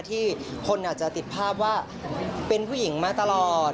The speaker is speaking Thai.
ที่คนอาจจะติดภาพว่าเป็นผู้หญิงมาตลอด